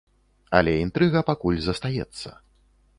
Але інтрыга пакуль застаецца.